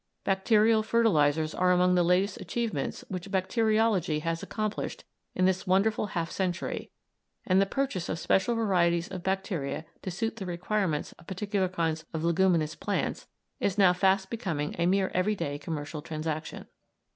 Bacterial fertilisers are amongst the latest achievements which bacteriology has accomplished in this wonderful half century, and the purchase of special varieties of bacteria to suit the requirements of particular kinds of leguminous plants is now fast becoming a mere everyday commercial transaction.